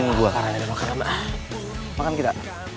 makan buah karang ya makan kita